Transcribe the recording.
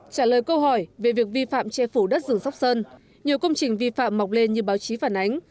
trả lời câu hỏi về việc vi phạm che phủ đất rừng sóc sơn nhiều công trình vi phạm mọc lên như báo chí phản ánh